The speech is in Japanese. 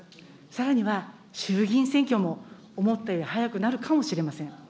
さらには、衆議院選挙も思ったより早くなるかもしれません。